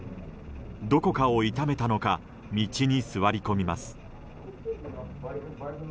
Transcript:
どこかを痛めたのか道に座り込みます。